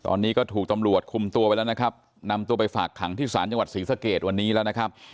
ตอนนี้ก็ถูกตำรวจคุมตัวไปแล้วนะครับนำตัวไปฝากขังที่ศาลจังหวัดศรีสะเกดวันนี้แล้วนะครับ